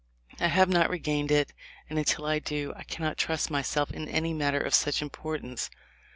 I have not regained it ; and until I do I cannot trust myself in any matter of much importance.